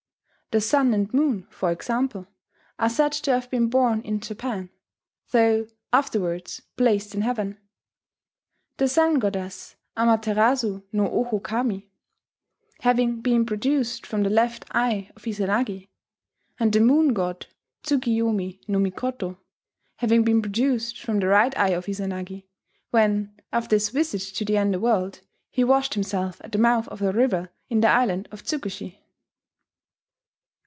The Sun and Moon, for example, are said to have been born in Japan, though afterwards placed in heaven; the Sun goddess, Ama terasu no oho Kami, having been produced from the left eye of Izanagi, and the Moon god, Tsuki yomi no Mikoto, having been produced from the right eye of Izanagi when, after his visit to the under world, he washed himself at the mouth of a river in the island of Tsukushi.